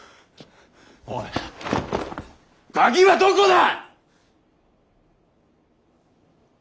おい鍵はどこだ！